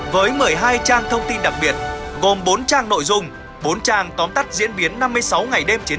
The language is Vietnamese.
với một mươi hai trang thông tin đặc biệt gồm bốn trang nội dung bốn trang tóm tắt diễn biến năm mươi sáu ngày đêm chiến